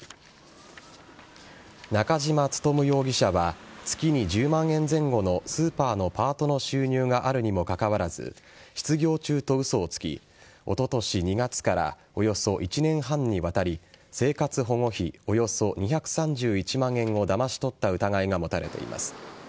中嶋勉容疑者は月に１０万円前後のスーパーのパートの収入があるにもかかわらず失業中と嘘をつきおととし２月からおよそ１年半にわたり生活保護費およそ２３１万円をだまし取った疑いが持たれています。